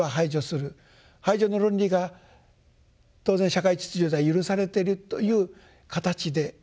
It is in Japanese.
排除の論理が当然社会秩序では許されてるという形で。